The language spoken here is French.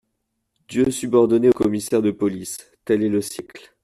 Dieu subordonné au commissaire de police ; tel est le siècle.